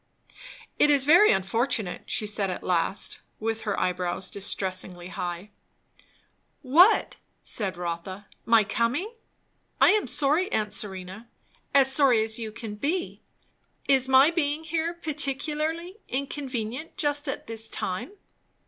"It is very unfortunate!" she said at last, with her eyebrows distressingly high. "What?" said Rotha. "My coming? I am sorry, aunt Serena; as sorry as you can be. Is my being here particularly inconvenient just at this time?"